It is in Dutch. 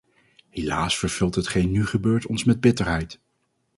Helaas vervult hetgeen nu gebeurt ons met bitterheid.